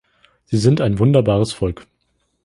Sie sind ein wunderbares Volk.